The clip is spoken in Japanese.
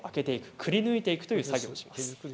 くりぬいていくという作業をします。